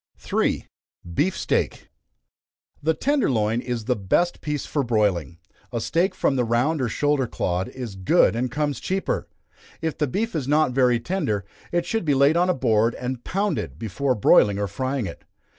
3. Beef Steak. The tender loin is the best piece for broiling a steak from the round or shoulder clod is good and comes cheaper. If the beef is not very tender, it should be laid on a board and pounded, before broiling or frying it.